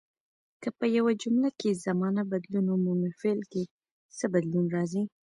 که په یوه جمله کې زمانه بدلون ومومي فعل کې څه بدلون راځي.